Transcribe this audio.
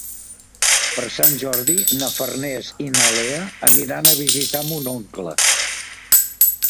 Per Sant Jordi na Farners i na Lea aniran a visitar mon oncle.